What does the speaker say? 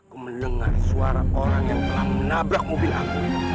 aku mendengar suara orang yang telah menabrak mobil aku